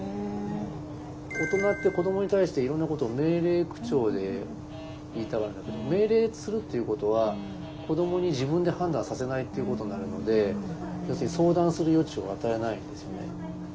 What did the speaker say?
大人って子どもに対していろんなことを命令口調で言いたがるんだけど命令するっていうことは子どもに自分で判断させないっていうことになるので要するに相談する余地を与えないんですよね。